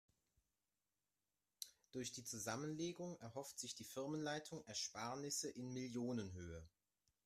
Durch die Zusammenlegung erhofft sich die Firmenleitung Ersparnisse in Millionenhöhe.